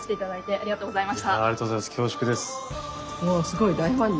ありがとうございます。